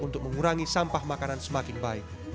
untuk mengurangi sampah makanan semakin baik